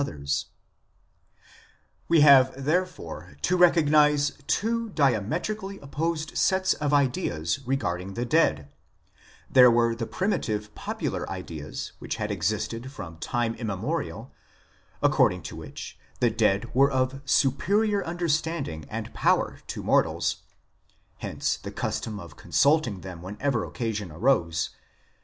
i See pp. 124 ff. 70 IMMORTALITY AND THE UNSEEN WORLD We have, therefore, to recognize two diametrically opposed sets of ideas regarding the dead : there were the primitive popular ideas which had existed from time immemorial, according to which the dead were of superior understanding and power to mortals ; hence the custom of consulting them whenever occasion arose.